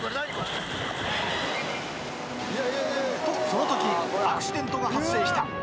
［とそのときアクシデントが発生した］